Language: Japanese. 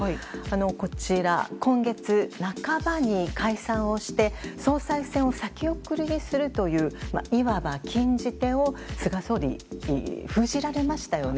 こちら、今月半ばに解散をして、総裁選を先送りにするという、いわば禁じ手を菅総理、封じられましたよね。